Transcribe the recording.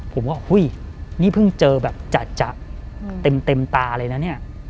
ผมก็อุ้ยนี่เพิ่งเจอแบบจะเต็มตาเลยนะเนี่ย